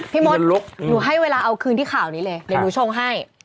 มดหนูให้เวลาเอาคืนที่ข่าวนี้เลยเดี๋ยวหนูชงให้